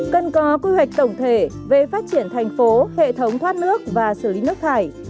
cần có quy hoạch tổng thể về phát triển thành phố hệ thống thoát nước và xử lý nước thải